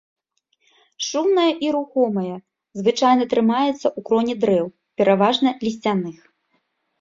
Шумная і рухомая, звычайна трымаецца ў кроне дрэў, пераважна лісцяных.